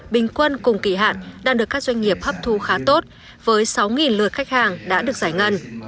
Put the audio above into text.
bình quân cùng kỳ hạn đang được các doanh nghiệp hấp thu khá tốt với sáu lượt khách hàng đã được giải ngân